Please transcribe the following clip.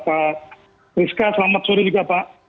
pak rizka selamat sore juga pak